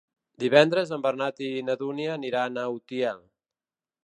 Divendres en Bernat i na Dúnia aniran a Utiel.